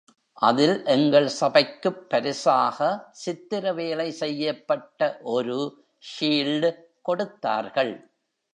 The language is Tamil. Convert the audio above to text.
அதில் எங்கள் சபைக்குப் பரிசாக சித்திர வேலை செய்யப்பட்ட ஒரு ஷீல்ட் கொடுத்தார்கள்.